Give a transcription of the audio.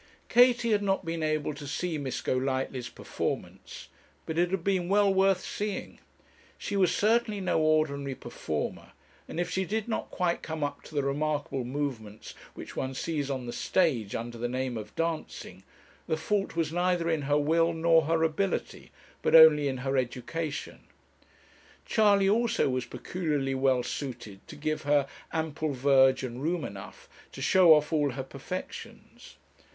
Katie had not been able to see Miss Golightly's performance, but it had been well worth seeing. She was certainly no ordinary performer, and if she did not quite come up to the remarkable movements which one sees on the stage under the name of dancing, the fault was neither in her will nor her ability, but only in her education. Charley also was peculiarly well suited to give her 'ample verge and room enough' to show off all her perfections.